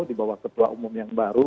di bawah ketua umum yang baru